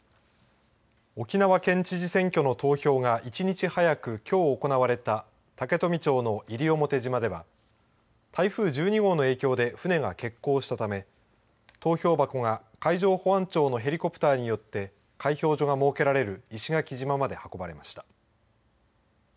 沖縄県知事選挙の投票が１日早く、きょう行われた竹富町の西表島では台風１２号の影響で船が欠航したため投票箱が海上保安庁のヘリコプターによって開票所が設けられる石垣島まで運ばれました。